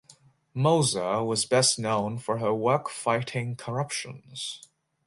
Moser was best known for her work fighting corruption.